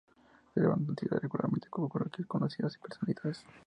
Se celebran actividades regularmente y coloquios de conocidas personalidades.